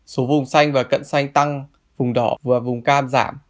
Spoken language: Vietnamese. số vùng xanh và cận xanh tăng vùng đỏ và vùng cam giảm